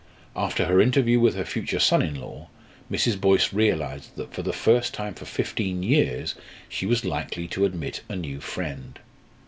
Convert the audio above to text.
After her interview with her future son in law, Mrs. Boyce realised that for the first time for fifteen years she was likely to admit a new friend.